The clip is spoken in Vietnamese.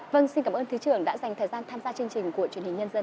vâng xin cảm ơn thứ trưởng đã dành thời gian tham gia chương trình của truyền hình nhân dân